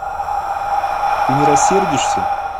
Ты не рассердишься?